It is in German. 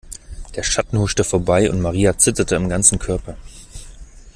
Der Schatten huschte vorbei und Maria zitterte am ganzen Körper.